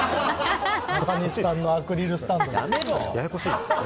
中西さんのアクリルスタンド。